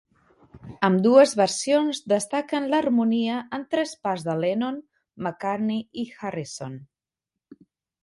Ambdues versions destaquen l'harmonia en tres parts de Lennon, McCartney i Harrison.